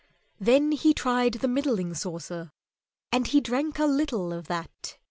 Then he tried the middling saucer, and he drank a little of that.